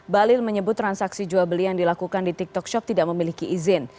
balil menyebut transaksi jual beli yang dilakukan di tiktok shop tidak memiliki izin